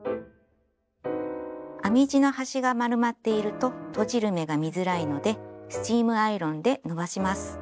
編み地の端が丸まっているととじる目が見づらいのでスチームアイロンで伸ばします。